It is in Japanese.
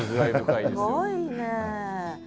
すごいねえ。